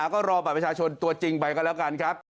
ก็รอบัตรประชาชนตัวจริงไปกันแล้วกันครับ